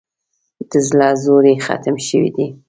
د زړه زور یې ختم شوی دی.